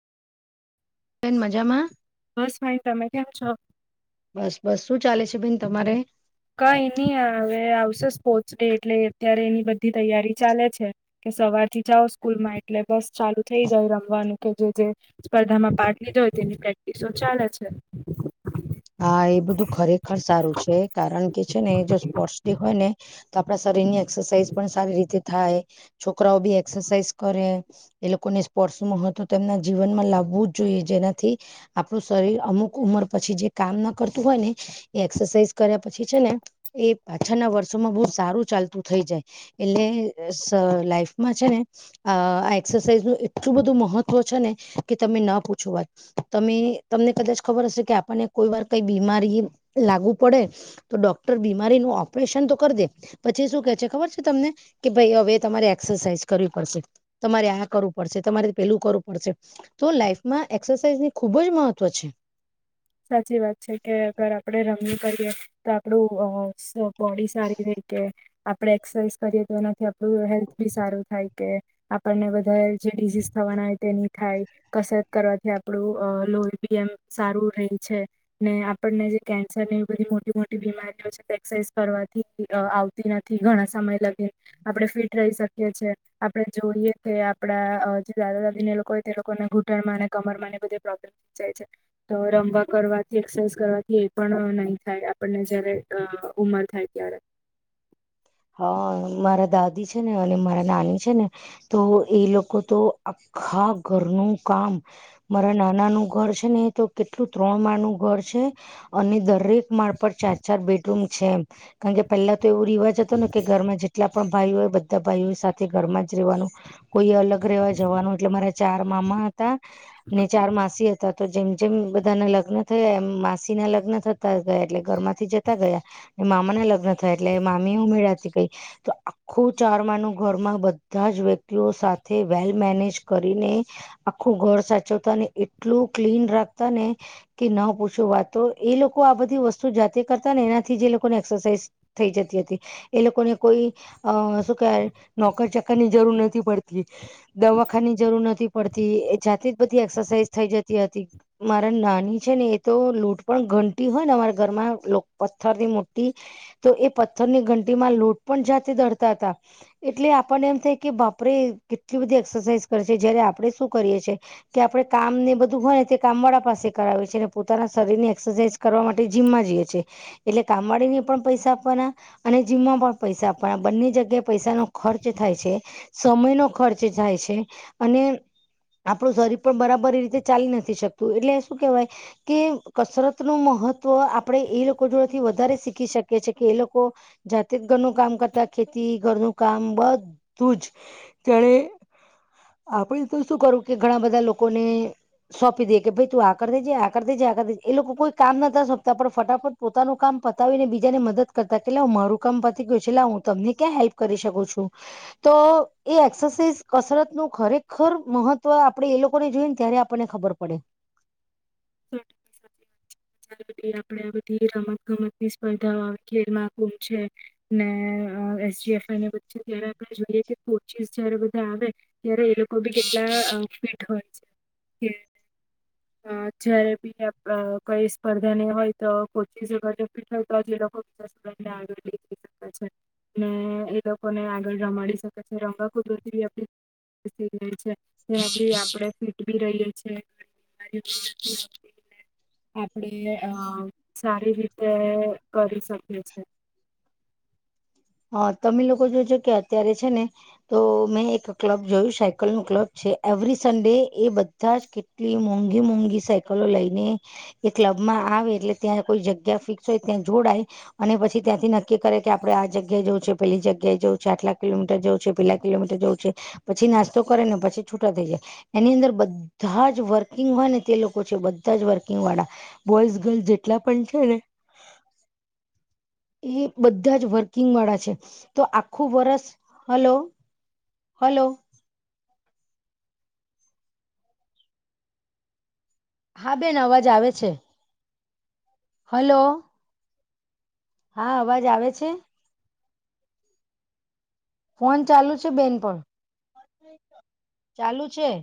બેન મજામાં? બસ ફાઇન, તમે કેમ છો. બસ, બસ. શું ચાલે છે બેન તમારે? કઈ ની. આ હવે આવશે સ્પોર્ટ્સ ડે, એટલે અત્યારે એની બધ્ધી તૈયારી ચાલે છે. કે સવારથી જાવ સ્કૂલમાં, એટલે બસ ચાલુ થઇ જાય રમવાનું. કે જે જે સ્પર્ધામાં પાર્ટ લીધો હોય, તેની પ્રેક્ટિસો ચાલે છે. હા, એ બધું ખરેખર સારું છે. કારણ કે છે ને એ જો સ્પોર્ટસ ડે હોય ને તો આપણા શરીરની એક્સરસાઇઝ પણ સારી રીતે થાય, છોકરાઓ ભી એક્સરસાઇઝ કરે. એ લોકોને સ્પોર્ટ્સનું મહત્વ તો તેમના જીવનમાં લાવવું જ જોઈએ, જેનાથી આપણું શરીર અમુક ઉંમર પછી જે કામ ના કરતું હોય ને એ એક્સરસાઇઝ કર્યા પછી છે ને, એ પાછળના વર્ષોમાં બહુ સારું ચાલતું થઈ જાય. એટલે સ લાઈફમાં છેને આ આ એક્સરસાઇઝનું એટલું બધું મહત્વ છે ને, કે તમે ન પૂછો વાત. તમે, તમને કદાચ ખબર હશે કે આપણને કોઈવાર કંઈ બીમારી લાગુ પડે તો ડોક્ટર બીમારીનું ઓપરેશન તો કર દે પછી શું કે છે ખબર છે તમને? કે ભઈ હવે તમારે એક્સરસાઇઝ કરવી પડશે. તમારે આ કરવું પડશે, તમારે પેલું કરવું પડશે. તો લાઈફમાં એક્સરસાઇઝની ખૂબ જ મહત્વ છે. સાચી વાત છે, કે અગર આપળે રમીયે કરીએ તો આ આપડુ બોડી સ સારી રેય કે, આપળે એક્સરસાઇઝ કરીએ તો એનાથી આ પડુ હેલ્થ બી સારું થાય, કે આપણને વધારે જે ડીસીઝ થવાના હોય, તે ની થાય. કસરત કરવાથી આપડું અ લોહી બી એમ સારું રેય છે. ને આપણને જે કેન્સર ને એવી બધી મોટી મોટી બીમારીઓ છે, તે એક્સરસાઇઝ કરવાથી આવતી તી નથી, ઘણા સમય લગીન. આપડે ફિટ રહી શકીએ છે. આપડે જોઈએ કે આપડા જે દાદા દાદી ને એ લોકો હોય, તે લોકોને ઘૂંટણમાં ને કમરમાં ને બધે પ્રોબ્લેમ જાય છે, તો રમવા કરવાથી, એક્સરસાઇઝ કરવાથી એ પણ નહીં થાય, આપણને જયારે ઉમર થાય ત્યારે. હા, મારા દાદી છે ને, અને મારા નાની છે ને તો, એ લોકો તો આખા ઘરનું કામ મારા નાનાનું ઘર છે ને, એ તો કેટલું ત્રણ માળ નું ઘર છે, અને દરેક માળ પર ચાર ચાર બેડરૂમ છે, એમ. કારણ કે પહેલા તો એવો રિવાજ હતો ને કે ઘરમાં જેટલા પણ ભાઈઓ હોય, બધા ભાઈઓ એ સાથે ઘરમાં જ રહેવાનું. કોઈએ અલગ રહેવા જવાનું, એટલે મારા ચાર મામા હતા ને ચાર માસી હતા. તો જેમ જેમ બધાના લગ્ન થયા એમ માસીના લગ્ન થતા તા ગયા એટલે ઘરમાંથી જતા ગયા, ને મામાના લગ્ન થયા એટલે મામી ઉમેરાતી ગઈ તો આ ખું ચાર માળનું ઘરમાં બધા જ વ્યક્તિઓ સાથે વેલ મેનેજ કરીને આખું ઘર સાચવતા, ને એટલું ક્લીન રાખતા ને કે ન પૂછો વાત. તો એ લોકો આ બધી વસ્તુ જાતે કરતા ને એનાથી જ એ લોકોને એક્સરસાઇઝ થઈ જતી હતી. એ લોકોને કોઈ અ શું કેહેવાય, નોકર ચાકરની જરૂર નથી પડતી. દવાખાની જરૂર નથી પડતી, એ જાતે જ બધી એક્સરસાઝ થઈ જતી હતી. મારા નાની છે ને, એ તો લોટ પણ ઘંટી હોય ને અમારા ઘરમાં લો પથ્થર ની મોટ્ટી તો એ પથ્થરની ઘંટીમાં લોટ પણ જાતે દળતા તા. એટલે આપણને એમ થાય કે, બાપરે કેટલી બધી એક્સરસાઇઝ કરે છે. જયારે આપડે શું કરીએ છીએ. કે આપડે કામ ને બધું હોય ને તે કામ વાળા પાસે કરાવે છે ને પોતાના શરીર ની એક્સરસાઇઝ કરવા માટે જીમમાં જઈએ છીએ એટલે કામવાળીને પણ પૈસા આપવાના. અને જીમમાં પણ પૈસા આપ બંને જગ્યાએ પૈસાનો ખર્ચ થાય છે સમય નો ખર્ચ થાય છે અને આપણું શરીર પણ બરાબર રીતે ચાલી નથી શકતું એટલે શું કેહેવાય. કે કસરત નું મહત્વ આપડે એ લોકો જોડેથી વધારે શીખી શકીએ છીએ કે એ લોકો લોકો જાતે જ ઘર નું કામ કરતા ખેતી ઘર નું કામ બધું જ ત્યારે આપણે તો શું કરું કે ઘણા બધા લોકોને સોંપી દેએ કે ભાઈ તું આ કર દેજે આ કર દેજે આ કર દેજે એ લોકો કોઈ કામ નતા સોંપતા પણ ફટાફટ પોતાનું કામ પતાવીને બીજાને મદદ કરતા કેટ હું મારું કામ પતી ગયું છે એટલે હું તમને ક્યાં હેલ્પ કરી શકું છું. તો એ એક્સરસાઇઝ કસરત નું ખરેખર મહત્વ આપડે એ લોકોને જોઈ ને ત્યારે. આપણને ખબર પડે. હમ્મ બધી આપડે આ બધી રમત ગમત ની સ્પર્ધાઓ ખેલ ગુમ છે. ને એસજીએફઆઈ ની વચ્ચે જ્યારે આપણે જોઈએ કે કોચીસ જયારે બધા આવે. ત્યારે એ લોકો બી કેટલા ફિટ હોય છે. જયારે બી કઈ સ્પર્ધા ને હોય તો કોચિસ [unintelligible] [unintelligible] ને એ લોકોને આગળ રમાડી શકે છે રંગો કુદરતી બી આપડી [unintelligible] આપણેે ફીટ બી રહીએ છે. હમ્મ. આપડે અ સારી રીતે કરી શકીએ છે. હા તમે લોકો જોજો કે અત્યારે છે ને. તો મેં એક ક્લબ જોયું સાયકલ નું ક્લબ છે એવરી સન્ડે એ બધ બદાચ કેટલી મોંઘી મોંઘી સાયકલો લઈને એ ક્લબ માં આવે એટલે ત્યાં કોઈ જગ્યા ફિક્સ હોય ત્યાં જોડાય અને પછી ત્યાંથી નક્કી કરે કે આપડે આ જગ્યા જગ્યા જઉું છે પેલી જગ્યાએ જઉું છે આટલા કલોમીટર જવું છે પેલા કિલોમીટર જવું છે પછી નાસ્તો કરે ને પછી છૂટા થઈ જાય એની અંદર બધા જ વર્કિંગ હોય ને તે લોકો છે બધા જ વર્કિંગ વાળા બોયઝ ગર્લ્સ જેટલા પણ છે ને [inaudible] એ બધા જ વર્ત કિંગવાળા છે તો આખું વરષ હલો હલો હા બેન અવાજ આવે છે હલો હા અવાજ આવે છે ફોન ચાલુ છે બેન પર ચાલુ છે